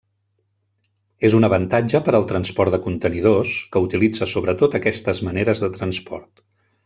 És un avantatge per al transport de contenidors, que utilitza sobretot aquestes maneres de transport.